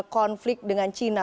konflik dengan china